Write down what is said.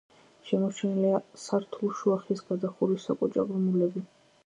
შემორჩენილია სართულშუა ხის გადახურვის საკოჭე ღრმულები.